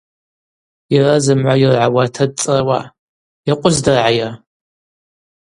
Йара зымгӏва йыргӏауата дцӏыруа: – Йакъвыздыргӏайа?